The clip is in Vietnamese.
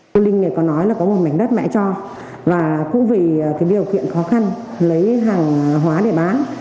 cô linh này có nói là có một mảnh đất mẹ cho và cũng vì cái điều kiện khó khăn lấy hàng hóa để bán